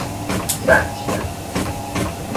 散赤